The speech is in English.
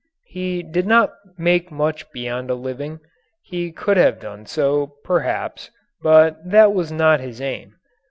He did not make much beyond a living. He could have done so, perhaps, but that was not his aim.